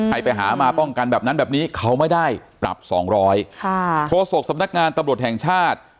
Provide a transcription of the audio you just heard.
ให้ไปหามาป้องกันแบบนั้นแบบนี้เขาไม่ได้ปรับสองร้อยค่ะโฆษกสำนักงานตำรวจแห่งชาติ